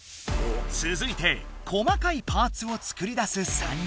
つづいて細かいパーツを作りだす３人。